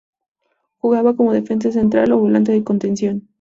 Jugaba como defensa central o volante de contención.